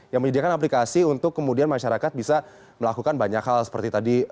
yang menyediakan aplikasi untuk kemudian masyarakat bisa melakukan banyak hal seperti tadi